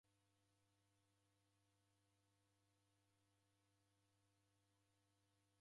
Kila mundu nyumbenyi nicha?